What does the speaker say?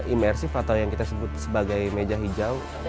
imersif atau yang kita sebut sebagai meja hijau